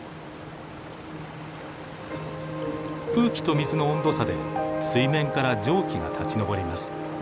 空気と水の温度差で水面から蒸気が立ち上ります。